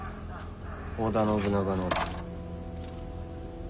織田信長の。